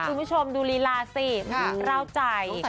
คุณผู้ชมดูลีลาสิเล่าใจ